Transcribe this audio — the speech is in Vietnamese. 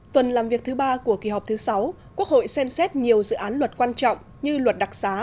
tuần làm việc thứ ba của kỳ họp thứ sáu quốc hội xem xét nhiều dự án luật quan trọng như luật đặc xá